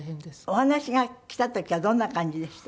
お話がきた時はどんな感じでした？